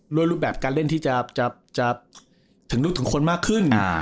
รูปแบบการเล่นที่จะถึงลูกถึงคนมากขึ้น